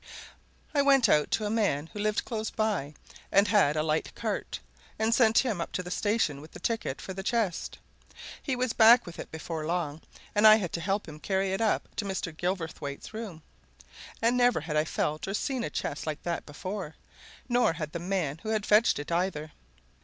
I went out to a man who lived close by and had a light cart, and sent him up to the station with the ticket for the chest; he was back with it before long, and I had to help him carry it up to Mr. Gilverthwaite's room. And never had I felt or seen a chest like that before, nor had the man who had fetched it, either.